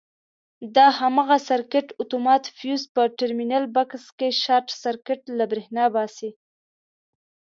د هماغه سرکټ اتومات فیوز په ټرمینل بکس کې شارټ سرکټ له برېښنا باسي.